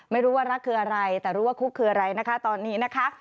ไม่รู้ว่ารักคืออะไรแต่รู้ว่าคุกคืออะไรนะคะตอนนี้นะคะ